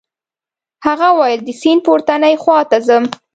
هغه وویل د سیند پورتنۍ خواته ځم.